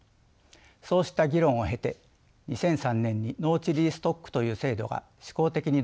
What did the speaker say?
そうした議論を経て２００３年に農地リース特区という制度が試行的に導入されました。